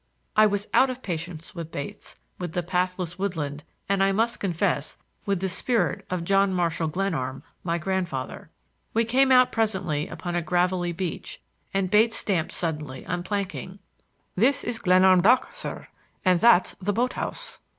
I was out of patience with Bates, with the pathless woodland, and, I must confess, with the spirit of John Marshall Glenarm, my grandfather. We came out presently upon a gravelly beach, and Bates stamped suddenly on planking. "This is the Glenarm dock, sir; and that's the boat house."